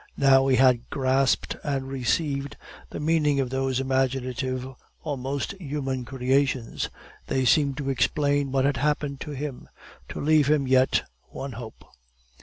Now he had grasped and received the meaning of those imaginative, almost human creations; they seemed to explain what had happened to him, to leave him yet one hope.